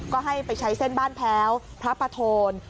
ก็ให้ไปใช้เส้นบ้านแพ้วพระปะโทน